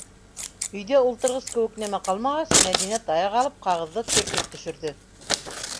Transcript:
Өйҙә ултырғыс кеүек нәмә ҡалмағас, Мәҙинә таяҡ алып ҡағыҙҙы төртөп төшөрҙө.